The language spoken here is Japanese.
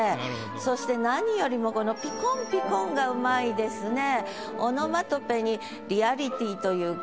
そして何よりもこの「ぴこんぴこん」がうまいですね。